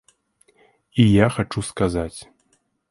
І і я хачу сказаць.